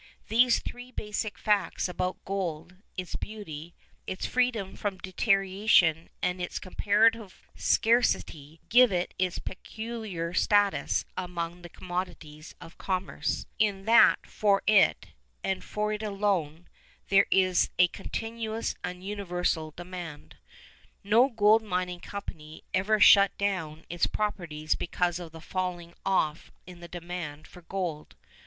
These three basic facts about gold, its beauty, its freedom from deterioration and its comparative scarcity, give it its peculiar status among the commodities of commerce, in that for it, and for it alone, there is a continuous and universal demand. No gold mining company ever shut down its properties because of the falling off in the demand for gold.